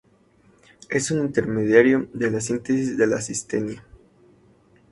Es un intermediario de la síntesis de la cisteína.